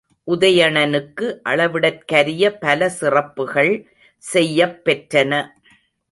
உதயணனுக்கு அளவிடற்கரிய பல சிறப்புகள் செய்யப் பெற்றன.